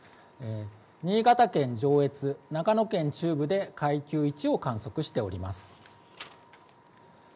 新潟県上越、長野県中部で階級１を観測しております。